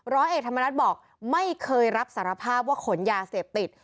ร้อยเอกธรรมนัฐบอกไม่เคยรับสารภาพว่าขนยาเสพติด